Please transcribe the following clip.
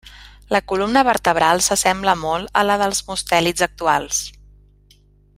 La columna vertebral s'assembla molt a la dels mustèlids actuals.